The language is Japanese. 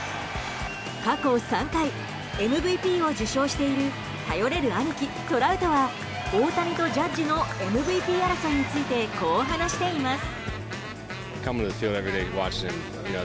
過去３回、ＭＶＰを受賞している頼れる兄貴、トラウトは大谷とジャッジのＭＶＰ争いについてこう話しています。